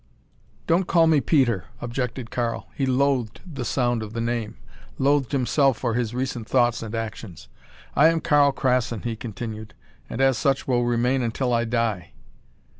"Don't call me Peter," objected Karl. He loathed the sound of the name; loathed himself for his recent thoughts and actions. "I am Karl Krassin," he continued, "and as such will remain until I die."